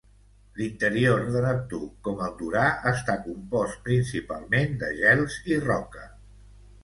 L'interior de Neptú, com el d'Urà, està compost principalment de gels i roca.